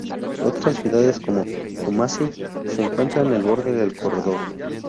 Otras ciudades, como Kumasi, se encuentran en el borde del corredor.